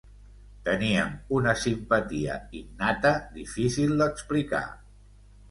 Teníem una simpatia innata difícil d'explicar.